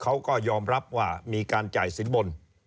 เขาก็ยอมรับว่ามีการจ่ายสินบน